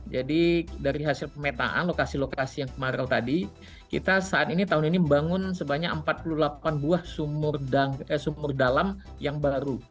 jadi dari hasil pemetaan lokasi lokasi yang kemarau tadi kita saat ini tahun ini membangun sebanyak empat puluh delapan buah sumur dalam yang baru